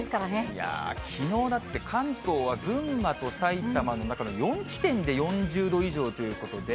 いやー、きのうだって、関東は群馬と埼玉の中の４地点で４０度以上ということで。